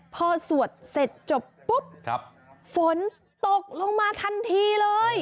พอสวดเสร็จจบปุ๊บฝนตกลงมาทันทีเลย